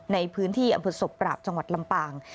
ในพื้นที่อำเภอศพปราบจังหวัดลำปาง